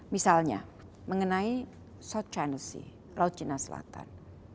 misalnya mengenai south china sea laut cina selatan